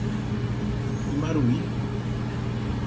Imaruí